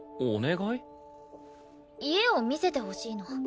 家を見せてほしいの。